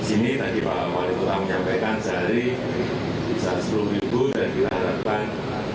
di sini tadi pak wali kota menyampaikan sehari bisa sepuluh minggu dan kita harapkan